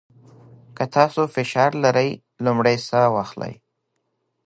که تاسو فشار لرئ، لومړی ساه واخلئ.